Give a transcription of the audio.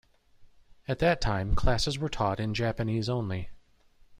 At that time, classes were taught in Japanese only.